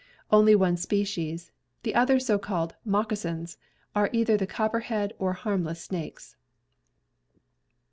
Only one species. The other so called "moccasins" are either the copperhead or harmless snakes.